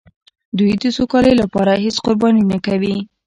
دوی د سوکالۍ لپاره هېڅ قرباني نه کوي.